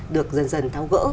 được dần dần tháo gỡ